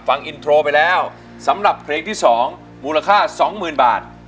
ฟังอินโทรไปแล้วสำหรับเพลงที่๒มูลค่า๒๐๐๐บาท